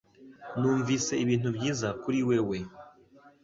Numvise ibintu byiza kuri wewe